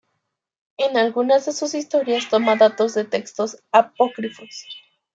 En algunas de sus historias toma datos de textos apócrifos.